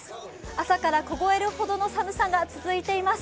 朝から凍えるほどの寒さが続いています。